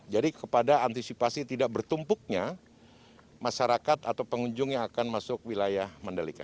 jadi kepada antisipasi tidak bertumpuknya masyarakat atau pengunjung yang akan masuk wilayah mandalika